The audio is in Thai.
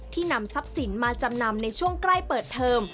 นำทรัพย์สินมาจำนำในช่วงใกล้เปิดเทอม